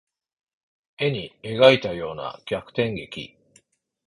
絵に描いたような逆転劇